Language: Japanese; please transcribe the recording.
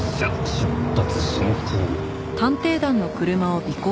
出発進行。